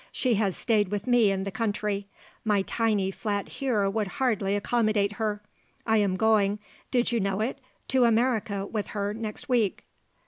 She has stayed with me in the country; my tiny flat here would hardly accommodate her. I am going, did you know it, to America with her next week."